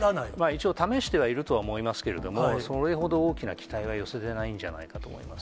一応試してはいると思いますけれども、それほど大きな期待は寄せてないんじゃないかと思います。